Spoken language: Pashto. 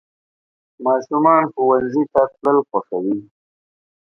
ماشومان ښوونځي ته تلل خوښوي.